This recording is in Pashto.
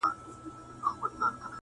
ستا قدم زموږ یې لېمه خو غریبي ده.